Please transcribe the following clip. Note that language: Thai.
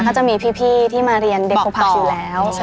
ก็จะมีพี่ที่มาเรียนเด็กปกติอยู่แล้ว